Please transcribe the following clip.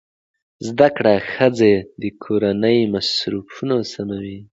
زده کړه ښځه د کورنۍ مصرفونه سموي.